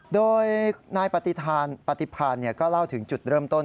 โดยนายปฏิพันธ์ก็เล่าถึงจุดเริ่มต้น